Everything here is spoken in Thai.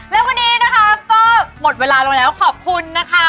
แล้ววันนี้นะคะก็หมดเวลาลงแล้วขอบคุณนะคะ